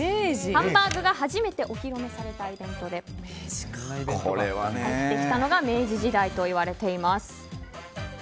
ハンバーグが初めてお披露目されたイベントで入ってきたのが明治時代といわれています。